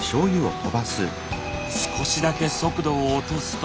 少しだけ速度を落とすと。